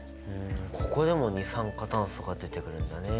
ここでも二酸化炭素が出てくるんだね。